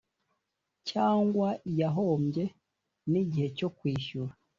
cyangwa yahombye n igihe cyo kwishyura